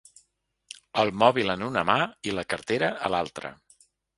El mòbil en una mà i la cartera a l'altra.